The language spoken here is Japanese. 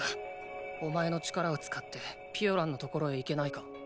お前の力を使ってピオランの所へ行けないか？